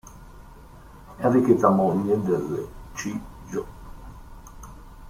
Enrichetta moglie del C. Gio.